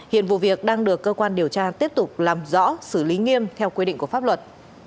hiện vụ việc đang được cơ quan điều tra tiếp tục làm rõ xử lý nghiêm theo quy định của pháp luật